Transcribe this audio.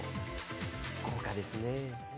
豪華ですね。